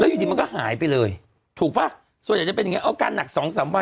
อยู่ดีมันก็หายไปเลยถูกป่ะส่วนใหญ่จะเป็นอย่างเงี้อาการหนักสองสามวัน